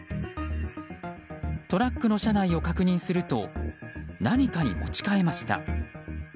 トラックの車内を確認すると何かに持ち替えました。